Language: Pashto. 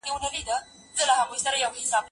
زه اجازه لرم چي پاکوالي وساتم!؟